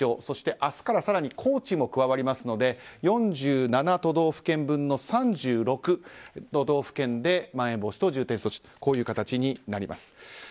そして、明日から更に高知も加わりますので４７都道府県分の３６でまん延防止等重点措置という形になります。